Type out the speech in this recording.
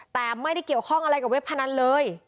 แต่ไม่ได้เกี่ยวข้องอะไรกับเว็บพนันเลย